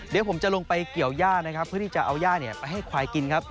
เดี๋ยวผมจะลงไปเกี่ยวย่านะครับเพื่อที่จะเอาย่าไปให้ควายกินครับ